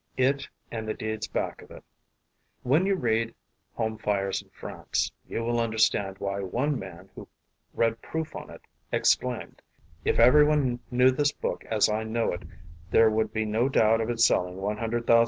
It and the deeds back of it. When you read Home Fires in France you will understand why one man who read proof on it exclaimed : "If every one knew this book as I know it there would be no doubt of it selling 100,000 copies at once."